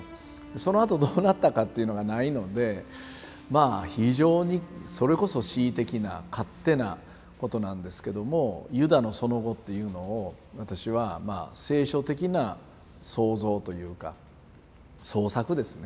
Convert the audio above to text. そのあとどうなったかっていうのがないのでまあ非常にそれこそ恣意的な勝手なことなんですけどもユダのその後っていうのを私はまあ聖書的な創造というか創作ですね